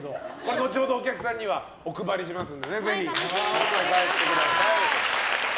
後ほどお客さんにはお配りしますのでぜひ持って帰ってください。